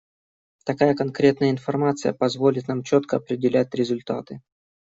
Такая конкретная информации позволит нам четко определять результаты.